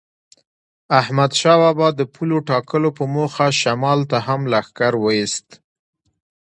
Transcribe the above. احمدشاه بابا د پولو ټاکلو په موخه شمال ته هم لښکر وایست.